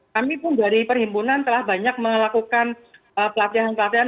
kami pun dari perhimpunan telah banyak melakukan pelatihan pelatihan